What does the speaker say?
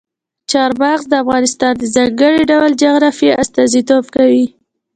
چار مغز د افغانستان د ځانګړي ډول جغرافیه استازیتوب کوي.